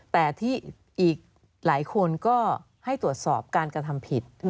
แต่ที่อีกหลายคนก็ให้ตรวจสอบการกระทำผิด